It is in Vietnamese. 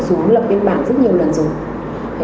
xuống lập biên bản rất nhiều lần rồi